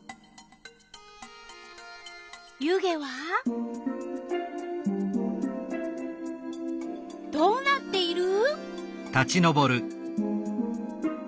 湯気はどうなっている？